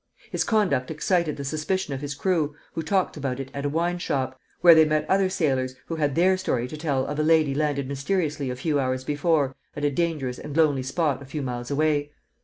His conduct excited the suspicion of his crew, who talked about it at a wine shop, where they met other sailors, who had their story to tell of a lady landed mysteriously a few hours before at a dangerous and lonely spot a few miles away.